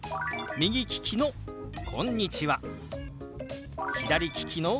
左利きの「こんにちは」。